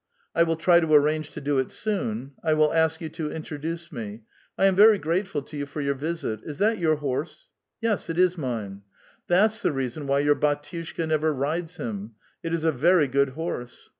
'* I will try to arrange to do it soon ; I will ask you to introduce me. I am very grateful to you for your visit. Is that vour horse ?" "Yes, it is mine." " That's the reason why your bdtiushka never rides him. It is a very good horse."